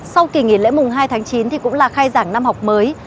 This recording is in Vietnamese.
sau kỳ nghỉ lễ mùng hai tháng chín thì cũng là khai giảng năm học mới